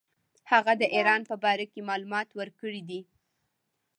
هغه د ایران په باره کې معلومات ورکړي دي.